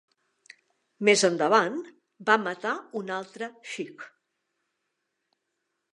Més endavant, va matar un altre sikh.